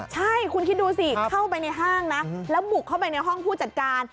ใช่คุณคิดดูสิเข้าไปในห้างนะแล้วบุกเข้าไปในห้องผู้จัดการ